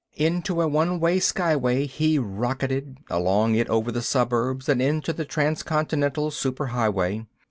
Into a one way skyway he rocketed, along it over the suburbs and into the transcontinental super highway.